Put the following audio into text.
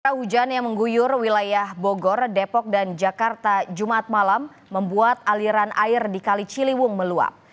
hujan yang mengguyur wilayah bogor depok dan jakarta jumat malam membuat aliran air di kali ciliwung meluap